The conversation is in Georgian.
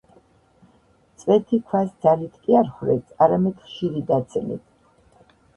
წვეთი ქვას ძალით კი არ ხვრეტს არამედ ხშირი დაცემით.